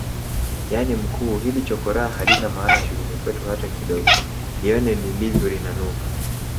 Yani mkuu hili chokoraa halina maana shuleni kwetu hata kidogo lione lilivyolinanuka